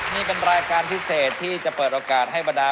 นี่เป็นรายการพิเศษที่จะเปิดโอกาสให้บรรดา